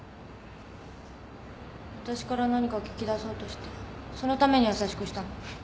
わたしから何か聞き出そうとしてそのために優しくしたの？